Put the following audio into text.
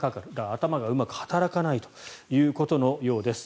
頭がうまく働かないということのようです。